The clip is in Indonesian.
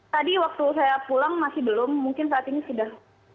tadi waktu saya pulang masih belum mungkin saat ini sudah